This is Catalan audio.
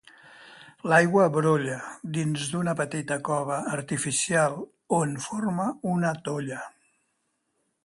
L'aigua brolla dins d'una petita cova artificial, on forma una tolla.